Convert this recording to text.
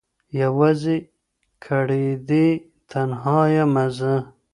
يوازي کړيدي تنها يمه زه